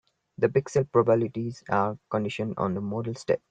The pixel probabilities are conditioned on the model state.